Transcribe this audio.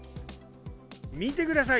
見てください。